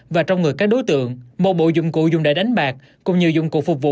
và trong người các đối tượng một bộ dụng cụ dùng để đánh bạc cùng nhiều dụng cụ phục vụ